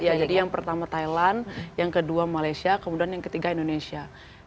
ya jadi yang pertama thailand yang kedua malaysia kemudian yang ketiga indonesia